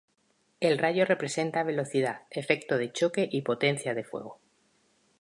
El rayo representa velocidad, efecto de choque y potencia de fuego.